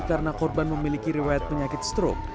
karena korban memiliki rewet penyakit strok